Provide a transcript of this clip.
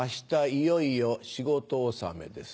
いよいよ仕事納めです